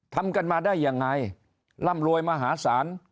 ทำกันมาได้ยังไงร่ำรวยมหาศาล